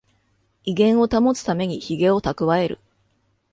威厳を保つためにヒゲをたくわえる